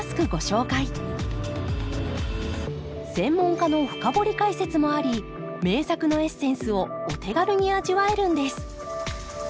専門家の深掘り解説もあり名作のエッセンスをお手軽に味わえるんです